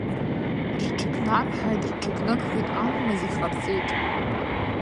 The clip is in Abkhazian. Рҽыкнарҳаит, рҽыкнырхит, аума зегьы ҟарҵеит…